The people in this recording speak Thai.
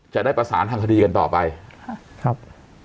จะได้ประสานทางคดีกันต่อไปครับ